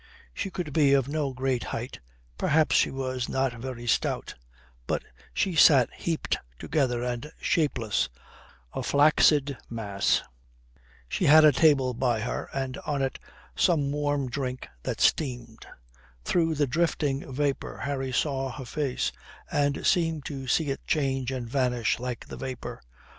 She could be of no great height, perhaps she was not very stout, but she sat heaped together and shapeless, a flaccid mass. She had a table by her, and on it some warm drink that steamed. Through the drifting vapour Harry saw her face, and seemed to see it change and vanish like the vapour.